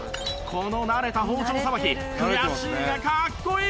この慣れた包丁さばき悔しいが格好いい！